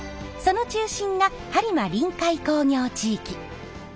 その中心が播磨臨海工業地域。